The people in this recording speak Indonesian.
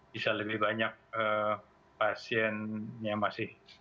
bisa lebih banyak pasien yang masih